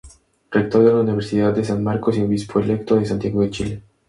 Rector de la Universidad de San Marcos y obispo electo de Santiago de Chile.